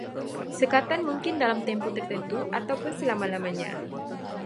Sekatan mungkin dalam tempoh tertentu ataupun selama-lamanya